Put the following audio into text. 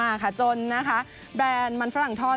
อันนี้คือของรถฟานิสรอยดนตร์นะคะแบรนด์มันฝรั่งทอด